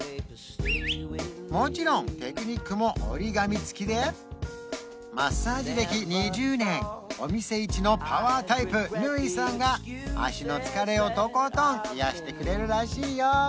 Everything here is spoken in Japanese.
もちろんテクニックも折り紙付きでマッサージ歴２０年お店一のパワータイプヌイさんが足の疲れをとことん癒やしてくれるらしいよ